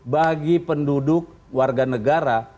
bagi penduduk warga negara